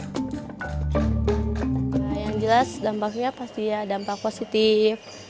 yang jelas dampaknya pasti ya dampak positif